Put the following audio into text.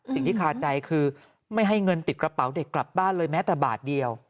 คาใจคือไม่ให้เงินติดกระเป๋าเด็กกลับบ้านเลยแม้แต่บาทเดียว